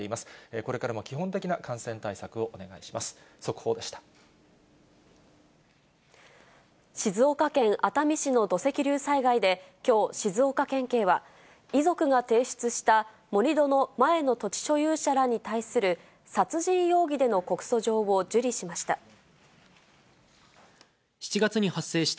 これからも基本的な感染対策をお静岡県熱海市の土石流災害で、きょう静岡県警は、遺族が提出した盛り土の前の土地所有者らに対する殺人容疑での告訴状を受理しました。